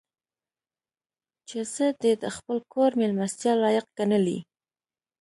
چې زه دې د خپل کور مېلمستیا لایق ګڼلی.